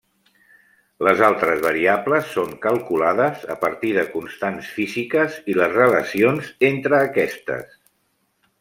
Les altres variables són calculades a partir de constants físiques i les relacions entre aquestes.